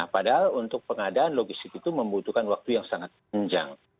padahal untuk pengadaan logistik itu membutuhkan waktu yang sangat panjang